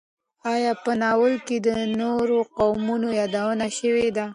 ایا په ناول کې د نورو قومونو یادونه شوې ده؟